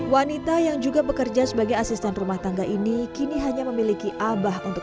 wanita yang juga bekerja sebagai asisten rumah tangga ini kini hanya memiliki abah untuk